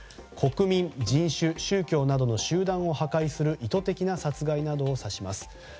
国民、人種、宗教などの集団を破壊する意図的な殺害などを指します。